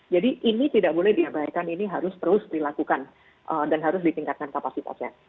jadi ini tidak boleh diabaikan ini harus terus dilakukan dan harus ditingkatkan kapasitasnya